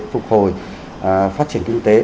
phục hồi phát triển kinh tế